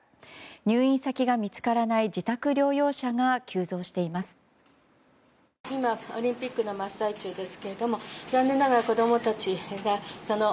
入院先が見つからない自宅療養者が急増しています。